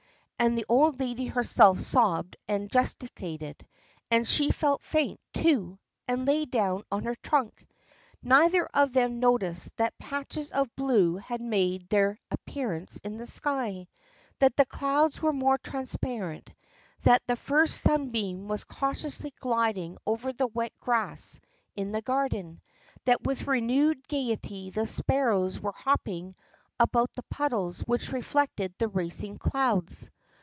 And the old lady herself sobbed and gesticulated, and she felt faint, too, and lay down on her trunk. Neither of them noticed that patches of blue had made their appearance in the sky, that the clouds were more transparent, that the first sunbeam was cautiously gliding over the wet grass in the garden, that with renewed gaiety the sparrows were hopping about the puddles which reflected the racing clouds.